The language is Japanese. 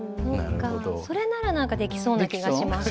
それならなんかできそうな気がします。